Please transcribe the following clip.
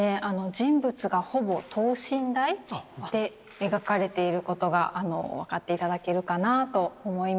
人物がほぼ等身大で描かれていることが分かって頂けるかなと思います。